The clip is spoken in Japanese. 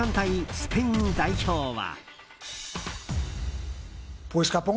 スペイン代表は。